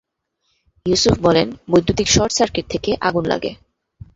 ইউসুফ বলেন, বৈদ্যুতিক শর্টসার্কিট থেকে আগুন লাগে।